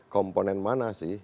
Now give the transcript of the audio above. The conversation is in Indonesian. komponen mana sih